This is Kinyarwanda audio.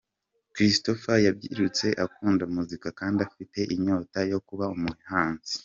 Christopher yabyirutse akunda muzika kandi afite inyota yo kuba umuhanzi.